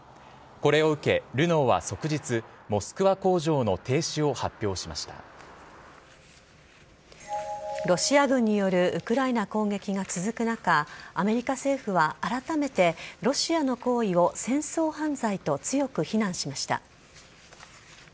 これを受けルノーは即日モスクワ工場のロシア軍によるウクライナ攻撃が続く中アメリカ政府はあらためてロシアの行為を戦争犯罪と強く非難しました。